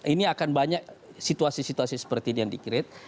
ini akan banyak situasi situasi seperti ini yang di create